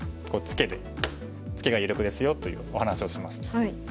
ツケが有力ですよというお話をしました。